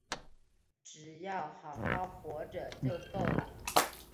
只要好好活着就够了